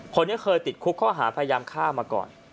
คนนี้เคยติดคุกข้อหาพยายามฆ่ามาก่อน